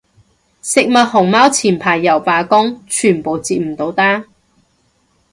食物熊貓前排又罷工，全部接唔到單